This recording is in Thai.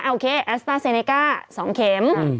โอเคแอสต้าเซเนก้า๒เข็ม